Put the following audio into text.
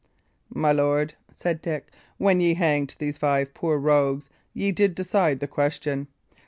"My lord," said Dick, "when ye hanged these five poor rogues ye did decide the question.